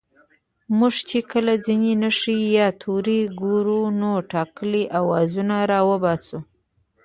موږ چې کله ځينې نښې يا توري گورو نو ټاکلي آوازونه راوباسو